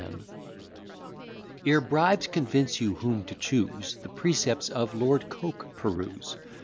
E. B._ Ere bribes convince you whom to choose, The precepts of Lord Coke peruse.